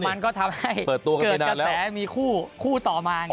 มันก็ทำให้เกิดกระแสมีคู่ต่อมาไง